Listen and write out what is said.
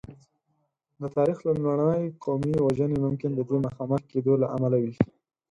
د تاریخ لومړنۍ قومي وژنې ممکن د دې مخامخ کېدو له امله وې.